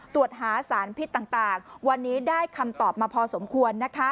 ตรวจหาสารพิษต่างวันนี้ได้คำตอบมาพอสมควร